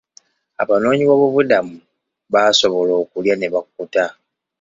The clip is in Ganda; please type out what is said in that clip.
Abanoonyi b'obubudamu baasobola okulya ne bakkuta.